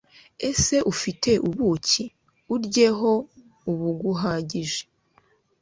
ese ufite ubuki? uryeho ubuguhagije